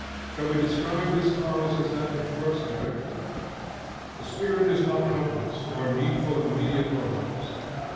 Shall we describe this cause as that which works directly? The spirit is not helpless or needful of mediate organs.